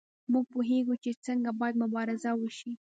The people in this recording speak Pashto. موږ پوهیږو چې څنګه باید مبارزه وشي.